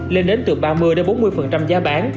lên đến từ ba mươi bốn mươi giá bán